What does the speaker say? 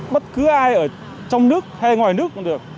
bất cứ ai ở trong nước hay ngoài nước cũng được